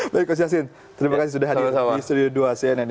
baik coach yasin terima kasih sudah hadir di studio dua acn indonesia